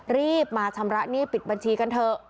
รีบมาชำระหนี้ปิดบัญชีกันเถอะ